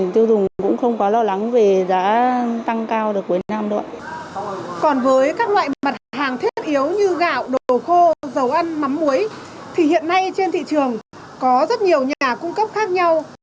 còn với các loại mặt hàng thiết yếu như gạo đồ khô dầu ăn mắm muối thì hiện nay trên thị trường có rất nhiều nhà cung cấp khác nhau